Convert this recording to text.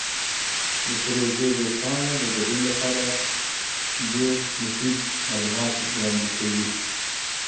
د پروژې ویب پاڼه د ګډون لپاره ډیرې مفیدې معلومات وړاندې کوي.